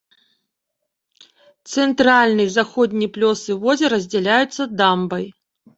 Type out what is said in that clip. Цэнтральны і заходні плёсы возера раздзяляюцца дамбай.